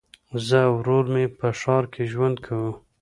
زه او ورور مي په ښار کي ژوند کوو.